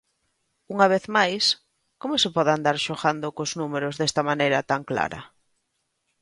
Unha vez máis, ¡como se pode andar xogando cos números desta maneira tan clara!